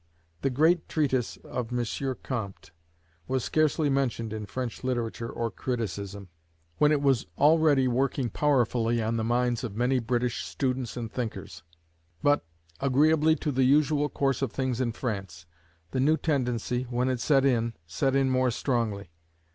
The great treatise of M. Comte was scarcely mentioned in French literature or criticism, when it was already working powerfully on the minds of many British students and thinkers. But, agreeably to the usual course of things in France, the new tendency, when it set in, set in more strongly.